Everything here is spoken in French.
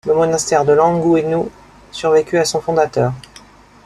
Le monastère de Land Gouesnou survécut à son fondateur.